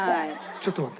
ちょっと待って。